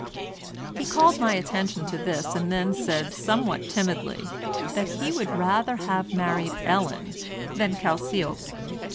He called my attention to this and then said somewhat timidly that he would rather have married Ellen than Calciope.